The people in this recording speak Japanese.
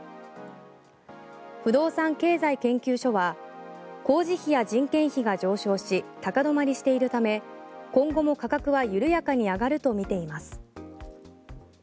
不動産経済研究所は工事費や人件費が上昇し高止まりしているため今後も価格は緩やかに上がるとみています。